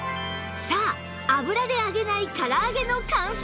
さあ油で揚げない唐揚げの完成！